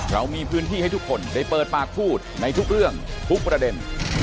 เรามีพื้นที่ให้ทุกคนได้เปิดปากพูดในทุกเรื่องทุกประเด็น